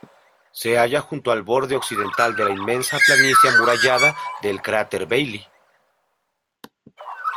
Se halla junto al borde occidental de la inmensa planicie amurallada del cráter Bailly.